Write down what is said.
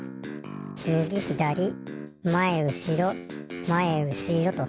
みぎひだりまえうしろまえうしろと。